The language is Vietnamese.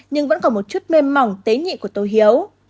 nhưng vẫn còn một chút mềm mỏng tế nhị của tôi hiếu